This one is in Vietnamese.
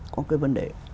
có cái vấn đề